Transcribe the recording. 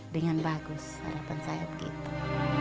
dengan bagus harapan saya begitu